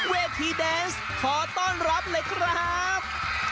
เวทีแดนส์ขอต้อนรับเลยครับ